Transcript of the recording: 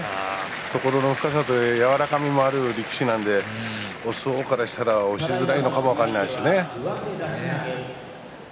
懐の深さもあって柔らかみもある力士なんで押し相撲からしたら押しづらいのかもしれないですね。